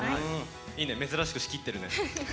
いいね珍しく仕切ってるね。